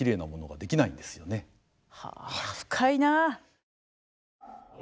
はあ深いな。